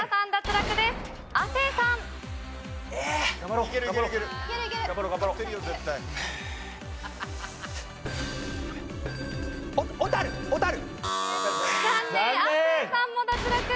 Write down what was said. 亜生さんも脱落。